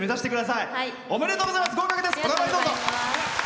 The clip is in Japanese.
お名前、どうぞ。